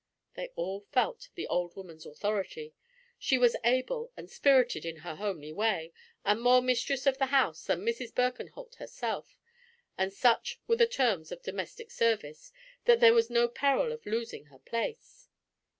They all felt the old woman's authority. She was able and spirited in her homely way, and more mistress of the house than Mrs. Birkenholt herself; and such were the terms of domestic service, that there was no peril of losing her place.